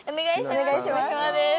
お願いします。